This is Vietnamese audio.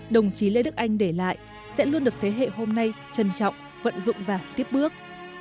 đồng chí lê đức anh để lại sẽ luôn được thế hệ hôm nay trân trọng vận dụng và tiếp bước